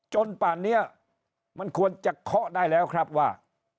ป่านนี้มันควรจะเคาะได้แล้วครับว่า